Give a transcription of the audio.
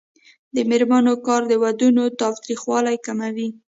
د میرمنو کار د ودونو تاوتریخوالی کموي.